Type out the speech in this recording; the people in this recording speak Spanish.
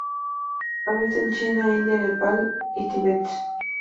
Habita en China, India, Nepal y Tíbet.